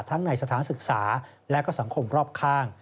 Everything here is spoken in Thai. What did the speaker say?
ทั้งในสถานศึกษาและก็สังคมรอบข้าง